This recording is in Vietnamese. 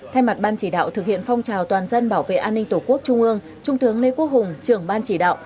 thay mặt ban chỉ đạo thực hiện phong trào toàn dân bảo vệ an ninh tổ quốc trung ương trung tướng lê quốc hùng trưởng ban chỉ đạo